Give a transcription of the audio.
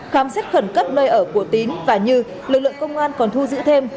khám xét khẩn cấp nơi ở của tín và như lực lượng công an còn thu giữ thêm